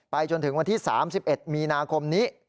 จนถึงวันที่๓๑มีนาคมนี้